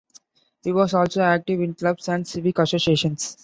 He was also active in clubs and civic associations.